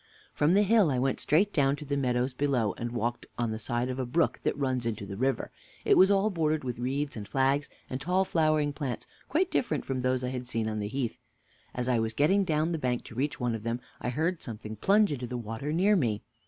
W. From the hill I went straight down to the meadows below, and walked on the side of a brook that runs into the river. It was all bordered with reeds and flags and tall flowering plants, quite different from those I had seen on the heath. As I was getting down the bank to reach one of them, I heard something plunge into the water near me.